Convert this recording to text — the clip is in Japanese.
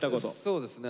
そうですね